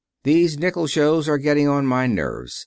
These nickel shows are getting on my nerves.